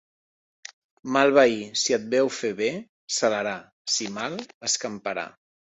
Mal veí, si et veu fer bé, celarà, si mal, escamparà.